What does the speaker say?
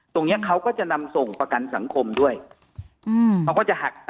เนี้ยเขาก็จะนำส่งประกันสังคมด้วยอืมเขาก็จะหัก